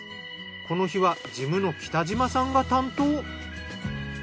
この日は事務の北嶋さんが担当。